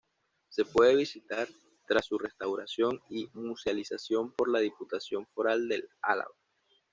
Se puede visitar, tras su restauración y musealización por la Diputación Foral de Álava.